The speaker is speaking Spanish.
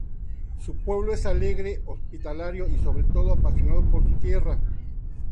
Su pueblo es alegre, hospitalario y sobre todo apasionado por su tierra.